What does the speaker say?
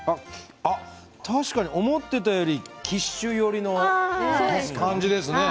確かに思っていたよりもキッシュ寄りの感じですね。